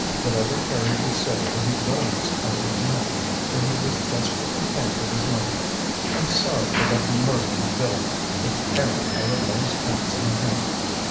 Whatever Harry will say when he learns I don't know, for he was desperately fond of his mother. I'm sorry for that murdering villain if Harry ever lays hands on him.